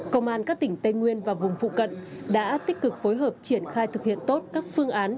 công an các tỉnh tây nguyên và vùng phụ cận đã tích cực phối hợp triển khai thực hiện tốt các phương án